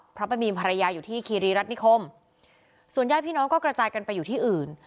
เพราะไปมีภรรยาอยู่ที่คีรีรัฐนิคมส่วนญาติพี่น้องก็กระจายกันไปอยู่ที่อื่น